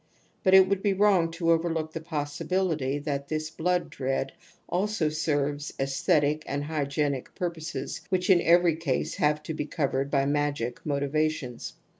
But it would be wrong to over ) look the possibility that this blood dread also { serves aesthetic and hygienic purposes which in \every case have to be covered by magic motiva tions.